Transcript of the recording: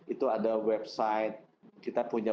itu ada website kita punya